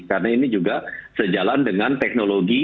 karena ini juga sejalan dengan teknologi